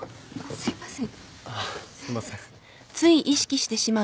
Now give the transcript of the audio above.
すいません。